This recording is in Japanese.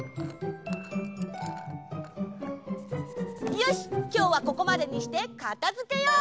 よしきょうはここまでにしてかたづけよう！